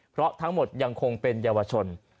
เพราะทั้งหมดยังคงเป็นเยาวชน